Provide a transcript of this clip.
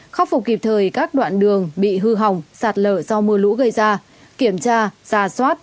khắc phục kịp thời các đoạn đường bị hư hỏng sạt lở do mưa lũ gây ra kiểm tra giả soát